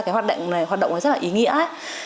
cái hoạt động này hoạt động rất là ý nghĩa